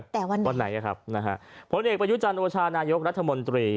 แต่วันไหนครับนะฮะผลเอกประยุจัดโอชาลนายกรัฐมนตรี